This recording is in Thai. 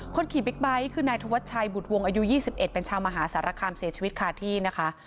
ขี่บิ๊กไบท์คือนายธวัชชัยบุตรวงอายุ๒๑เป็นชาวมหาสารคามเสียชีวิตคาที่นะคะ